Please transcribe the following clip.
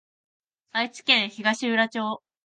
愛知県東浦町